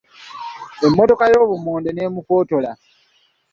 Emmotoka emutomedde n'emufootola.